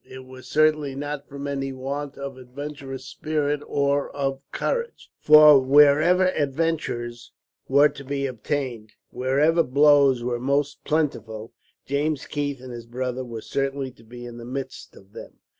It was certainly not from any want of adventurous spirit, or of courage, for wherever adventures were to be obtained, wherever blows were most plentiful, James Keith and his brother were certain to be in the midst of them.